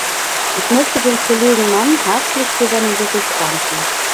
Ich möchte dem Kollegen Mann herzlich für seinen Bericht danken.